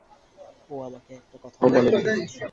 ও আমাকে একটা কথাও বলেনি।